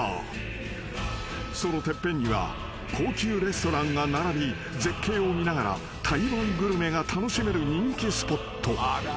［そのてっぺんには高級レストランが並び絶景を見ながら台湾グルメが楽しめる人気スポット］